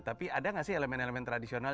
tapi ada nggak sih elemen elemen tradisional